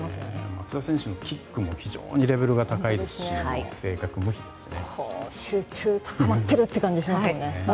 松田選手のキックも非常にレベルが高いですし集中、高まっているという感じがしますよね。